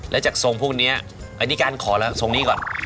แล้วจากทรงพวกนี้อันนี้การขอแล้วทรงนี้ก่อน